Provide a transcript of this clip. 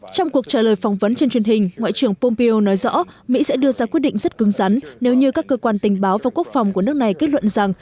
trong cuộc trả lời phỏng vấn trên truyền hình ngoại trưởng pompeo nói rõ mỹ sẽ đưa ra quyết định rất cứng rắn nếu như các cơ quan tình báo và quốc phòng của nước này kết luận rằng